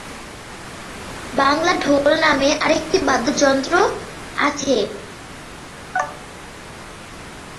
বাংলা ঢোল নামে আরেকটি বাদ্যযন্ত্র আছে।